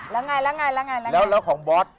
แล้วไงแล้วแล้วของบอส